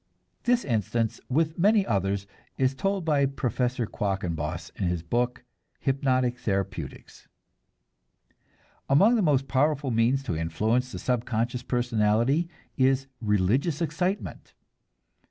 This instance with many others is told by Professor Quackenbos in his book, "Hypnotic Therapeutics." Among the most powerful means to influence the subconscious personality is religious excitement.